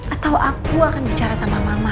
atau aku akan bicara sama mama